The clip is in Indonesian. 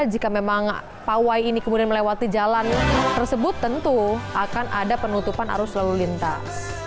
jika memang pawai ini kemudian melewati jalan tersebut tentu akan ada penutupan arus lalu lintas